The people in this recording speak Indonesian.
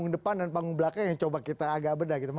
depan dan panggung belakang yang coba kita agak beda gitu